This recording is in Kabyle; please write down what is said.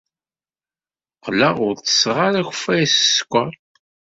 Qqleɣ ur ttesseɣ akeffay s sskeṛ.